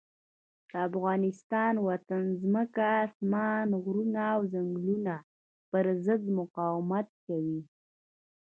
د افغان وطن ځمکه، اسمان، غرونه او ځنګلونه پر ضد مقاومت کوي.